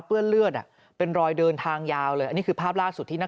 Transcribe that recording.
เลือดอ่ะเป็นรอยเดินทางยาวเลยอันนี้คือภาพล่าสุดที่นั่ง